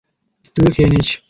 তুইও খেয়ে নিস।